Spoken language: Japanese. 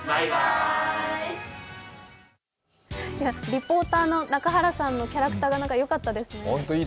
リポーターの中原さんのキャラクターがよかったですね。